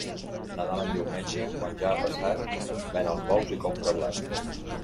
Nadal en diumenge, quan ja ha passat, ven els bous i compra blat.